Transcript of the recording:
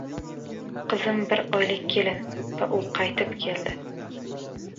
«Qizim bir oylik kelin va u qaytib keldi...»